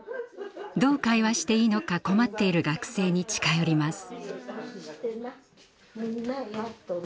どう会話していいのか困っている学生に近寄ります。